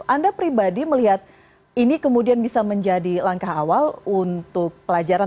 anda pribadi melihat ini kemudian bisa menjadi langkah awal untuk pelajaran